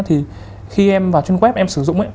thì khi em vào trang web em sử dụng ấy